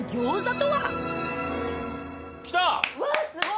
うわっすごい！